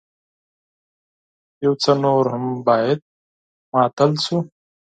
يو څه نور هم بايد ماتل شو.